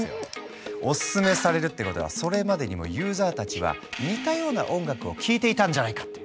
おすすめされるってことはそれまでにもユーザーたちは似たような音楽を聞いていたんじゃないかって。